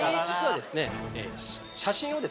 実はですね。